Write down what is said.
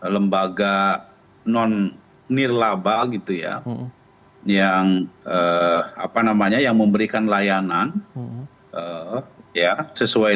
lembaga non nirlaba gitu ya yang apa namanya yang memberikan layanan ya sesuai